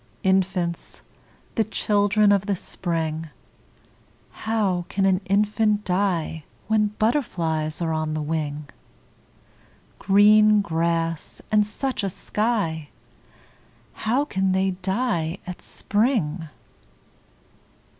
Infants, the children of the spring! How can an infant die When butterflies are on the wing, Green grass, and such a sky? How can they die at spring?